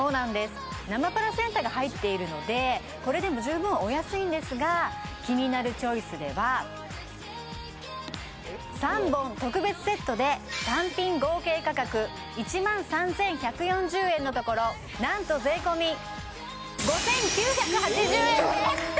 生プラセンタが入っているのでこれでも十分お安いんですが「キニナルチョイス」では３本特別セットで単品合計価格１万３１４０円のところなんと税込ちょっと！